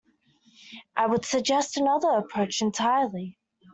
I would suggest another approach entirely.